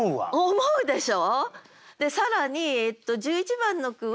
思うでしょ！